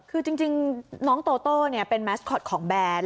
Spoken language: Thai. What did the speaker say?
คือจริงน้องโตโต้เป็นแมสคอตของแบน